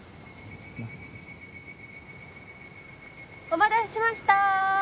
お待たせしました！